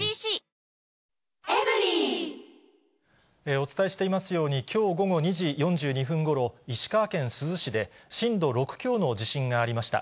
お伝えしていますように、きょう午後２時４２分ごろ、石川県珠洲市で震度６強の地震がありました。